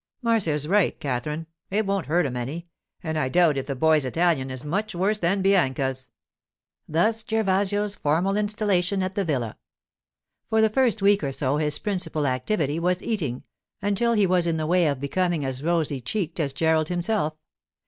'Marcia's right, Katherine; it won't hurt him any, and I doubt if the boy's Italian is much worse than Bianca's.' Thus Gervasio's formal installation at the villa. For the first week or so his principal activity was eating, until he was in the way of becoming as rosy cheeked as Gerald himself.